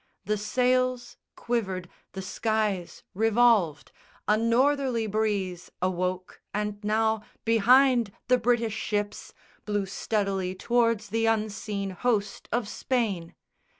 The sails Quivered, the skies revolved. A northerly breeze Awoke and now, behind the British ships, Blew steadily tow'rds the unseen host of Spain.